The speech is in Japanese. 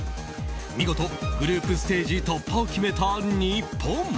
見事、グループステージ突破を決めた日本。